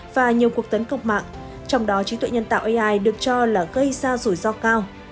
và nhiều cuộc tấn công mạng trong đó trí tuệ nhân tạo ai được cho là gây ra rủi ro cao